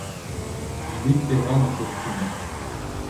Il éclaira dans cette prunelle.